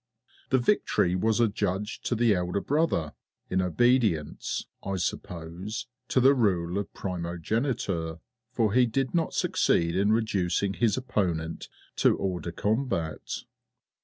The victory was adjudged to the elder brother in obedience, I suppose, to the rule of Primogeniture, for he did not succeed in reducing his opponent to a hors de combat.